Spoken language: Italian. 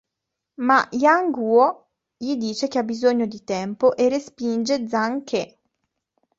Ma Yang Guo gli dice che ha bisogno di tempo e respinge Zhang Ke.